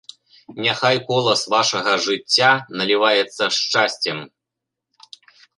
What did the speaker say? Няхай колас вашага жыцця наліваецца шчасцем.